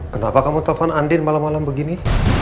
kenapa kamu telpon andin malam malam begini